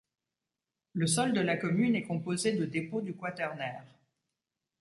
Le sol de la commune est composé de dépôts du Quaternaire.